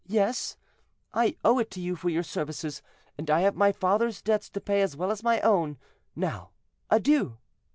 "Yes, I owe it to you for your services; and I have my father's debts to pay as well as my own. Now, adieu!"